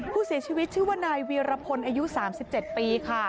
ผู้เสียชีวิตชื่อว่านายวีรพลอายุ๓๗ปีค่ะ